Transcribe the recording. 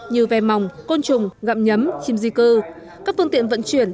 như ve mòng côn trùng gặm nhấm chim di cư các phương tiện vận chuyển